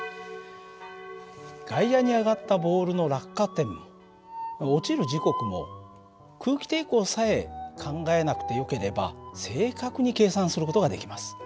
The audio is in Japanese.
外野に上がったボールの落下点も落ちる時刻も空気抵抗さえ考えなくてよければ正確に計算する事ができます。